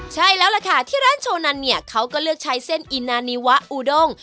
ใช่แล้วล่ะค่ะที่ร้านโชนันเนี่ยเขาก็เลือกใช้เส้นอินนานีวะอูด้ง